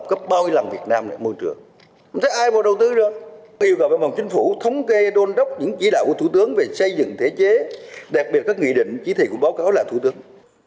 đặc biệt các nghị định chỉ thị của báo cáo là thủ tướng